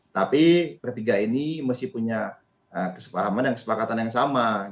tapi bertiga ini mesti punya kesepahaman dan kesepakatan yang sama